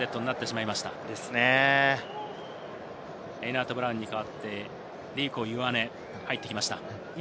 レイナートブラウンに代わってイオアネが入ってきました。